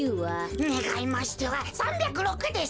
ねがいましては３０６です。